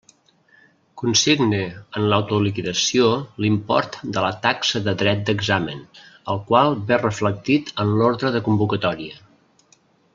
Consigne en l'autoliquidació l'import de la taxa de dret d'examen, el qual ve reflectit en l'orde de convocatòria.